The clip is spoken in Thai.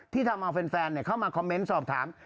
ทำเอาแฟนเข้ามาคอมเมนต์สอบถาม